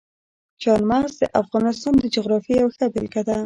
چار مغز د افغانستان د جغرافیې یوه ښه بېلګه ده.